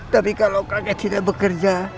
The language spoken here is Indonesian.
tapi kalau kakek tidak bekerja